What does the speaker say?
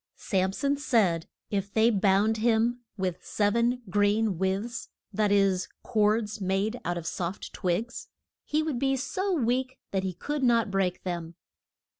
Sam son said if they bound him with sev en green withes that is, cords made out of soft twigs he would be so weak that he could not break them.